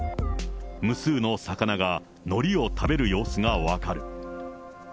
無数の魚がのりを食べる様子が分かる。